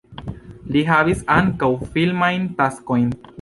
Li havis ankaŭ filmajn taskojn.